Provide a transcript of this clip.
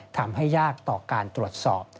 ทำให้ยากต่อการตรวจสอบ